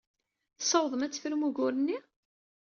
Tessawḍem ad tefrum ugur-nni?